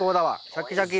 シャキシャキ。